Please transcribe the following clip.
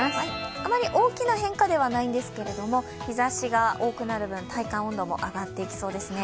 あまり大きな変化ではないんですけれども日ざしが多くなる分、体感温度も上がっていきそうですね。